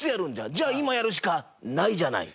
じゃあ今やるしかないじゃない。